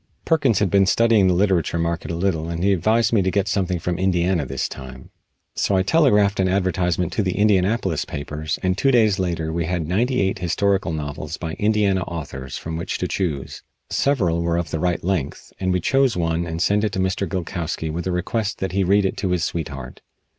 Perkins had been studying the literature market a little and he advised me to get something from Indiana this time, so I telegraphed an advertisement to the Indianapolis papers and two days later we had ninety eight historical novels by Indiana authors from which to choose. Several were of the right length, and we chose one and sent it to Mr. Gilkowsky with a request that he read it to his sweetheart.